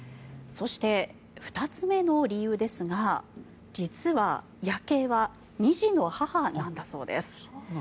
そして、２つ目の理由ですが実は、ヤケイは２児の母なんだそうです。